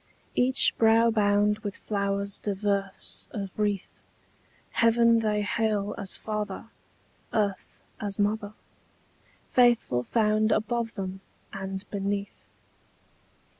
Each brow bound with flowers diverse of wreath, Heaven they hail as father, earth as mother, Faithful found above them and beneath.